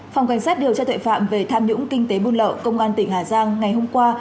phòng cảnh sát điều tra tuệ phạm về tham nhũng kinh tế buôn lậu công an tỉnh hà giang ngày hôm qua